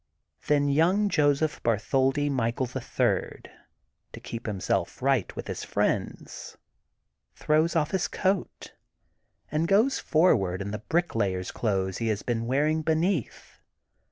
Then young Joseph Bartholdi Michael, the Third, to keep himself right with his friends, throws off his coat, and goes forward in the bricklayer *s clothes he has been wearing beneath.